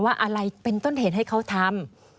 อะไรเป็นต้นเหตุให้เขาทำ